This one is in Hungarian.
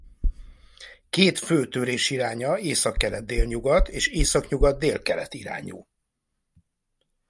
Két fő törésiránya északkelet–délnyugat és északnyugat–délkelet irányú.